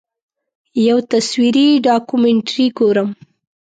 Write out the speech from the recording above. یو تصویري ډاکومنټري ګورم.